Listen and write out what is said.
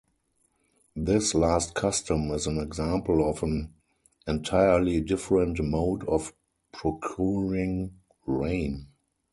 This last custom is an example of an entirely different mode of procuring rain.